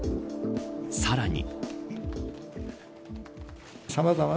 さらに。